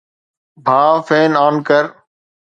ڀاءُ، phone on ڪر